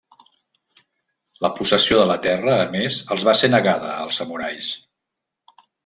La possessió de la terra a més, els va ser negada als samurais.